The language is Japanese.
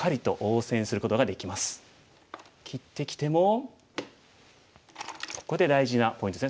切ってきてもここで大事なポイントですね。